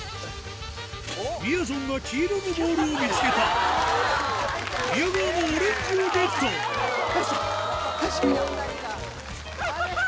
みやぞんが黄色のボールを見つけた宮川もオレンジをゲットやっぱスゴいな２人が。